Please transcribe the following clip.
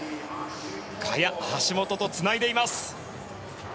萱、橋本とつないでいます。